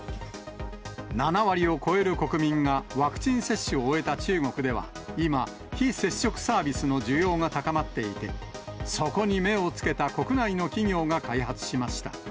７割を超える国民がワクチン接種を終えた中国では今、非接触サービスの需要が高まっていて、そこに目をつけた国内の企業が開発しました。